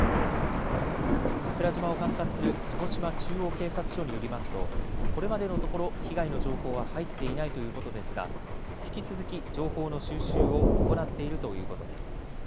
桜島を管轄する鹿児島中央警察署によりますとこれまでのところ被害の情報は入っていないということですが引き続き情報の収集を行っているということです。